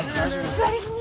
座り。